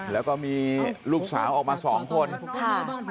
แล้วก็มีลูกสาวออกมาสองคนค่ะ